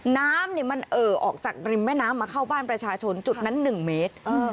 น้ำมันเอ่อออกจากริมแม่น้ำมาเข้าบ้านประชาชนจุดนั้น๑เมตร